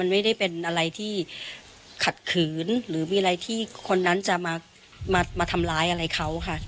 มันไม่ได้เป็นอะไรที่ขัดขืนหรือมีอะไรที่คนนั้นจะมาทำร้ายอะไรเขาค่ะ